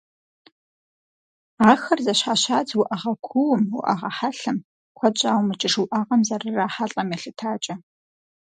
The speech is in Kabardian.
Ахэр зэщхьэщадз уӏэгъэ кууум, уӏэгъэ хьэлъэм, куэд щӏауэ мыкӏыж уӏэгъэм зэрырахьэлӏэм елъытакӏэ.